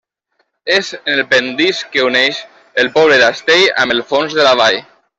És en el pendís que uneix el poble d'Astell amb el fons de la vall.